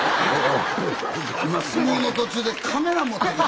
今相撲の途中で「カメラ持ってきて」